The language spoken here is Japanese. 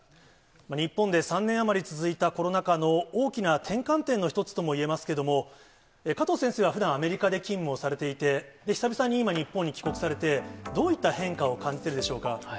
日本で３年余り続いたコロナ禍の大きな転換点と一つともいえますけれども、加藤先生はふだん、アメリカで勤務をされていて、久々に今、日本に帰国されて、どういった変化を感じてるでしょ